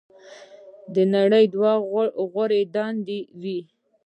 "د نړۍ دوه غوره دندې وې.